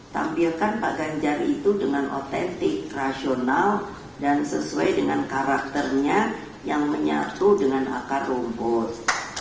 tampilkan pak ganjar itu dengan otentik rasional dan sesuai dengan karakternya yang menyatu dengan akar rumput